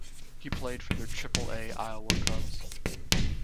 He played for their Triple-A Iowa Cubs.